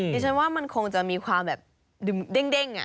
ดิฉันว่ามันคงจะมีความแบบเด้ง